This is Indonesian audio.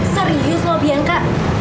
serius loh bianca